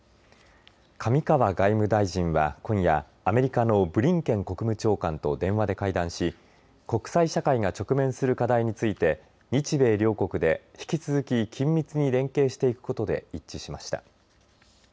上川外務大臣は今夜アメリカのブリンケン国務長官と電話で会談し国際社会が直面する課題について日米両国で引き続き緊密に連携していくことで一致しました。